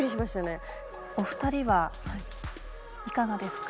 お二人はいかがですか？